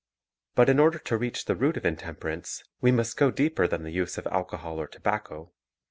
But in order to reach the root of intemperance we must go deeper than the use of alcohol or tobacco.